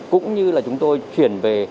cũng như là chúng tôi chuyển về